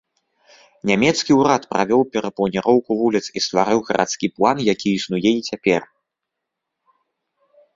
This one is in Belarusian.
Нямецкі ўрад правёў перапланіроўку вуліц і стварыў гарадскі план, які існуе і цяпер.